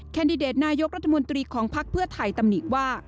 แดดิเดตนายกรัฐมนตรีของภักดิ์เพื่อไทยตำหนิว่า